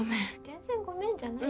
全然ごめんじゃないし。